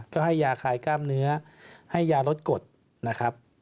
ก็ให้ยาคลายกล้ามเนื้อให้ยารสกดนะครับ